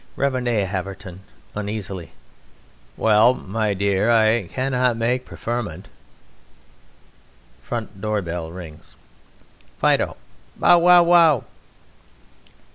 _) REV. A. HAVERTON (uneasily): Well, my dear, I cannot make preferment. (Front door bell rings.) FIDO: Bow! wow! wow!